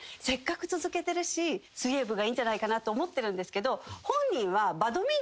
せっかく続けてるし水泳部がいいんじゃないかなと思ってるんですけど。